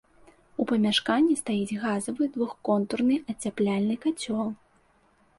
У памяшканні стаіць газавы двухконтурны ацяпляльны кацёл.